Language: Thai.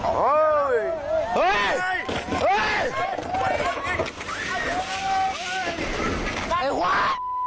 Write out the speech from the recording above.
ไอ้หว่า